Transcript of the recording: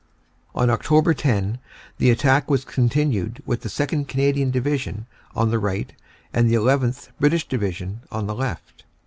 On Oct. 10 the attack was continued with the 2nd. Cana dian Division on the right and the llth. British Division on the left.